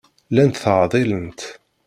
Llant ttɛeḍḍilent.